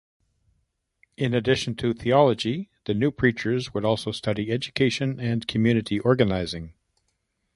In addition to theology, the new preachers would also study education and community organizing.